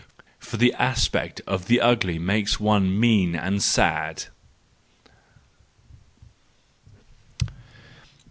For the aspect of the ugly makes one mean and sad.